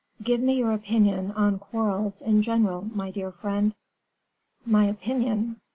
"Give me your opinion on quarrels in general, my dear friend." "My opinion!